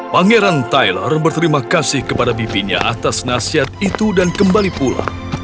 pangeran tyler berterima kasih kepada bibi nya atas nasihat itu dan kembali pulang